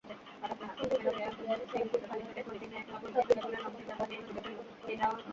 সংঘর্ষের একপর্যায়ে সড়কির আঘাতে সাব্বির আলীর সমর্থক বাবু মাতুব্বর ঘটনাস্থলেই মারা যান।